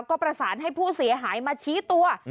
ก็ประสานให้ผู้เสียหายมาชี้ตัว